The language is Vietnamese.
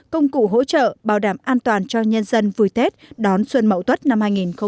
công cụ hỗ trợ bảo đảm an toàn cho nhân dân vui tết đón xuân mậu tuất năm hai nghìn hai mươi